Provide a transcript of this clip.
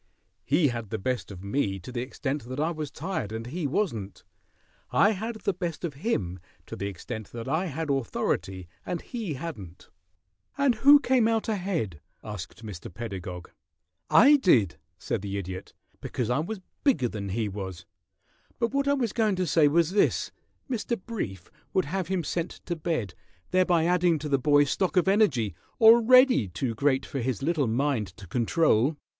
He had the best of me to the extent that I was tired and he wasn't. I had the best of him to the extent that I had authority and he hadn't " "And who came out ahead?" asked Mr. Pedagog. "I did," said the Idiot, "because I was bigger than he was; but what I was going to say was this: Mr. Brief would have sent him to bed, thereby adding to the boy's stock of energy, already too great for his little mind to control."